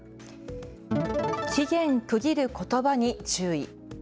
期限区切ることばに注意。